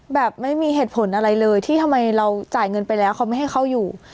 แบบไม่มีเหตุผลอะไรเลยที่ทำไมเราจ่ายเงินไปแล้วเขาไม่ให้เขาอยู่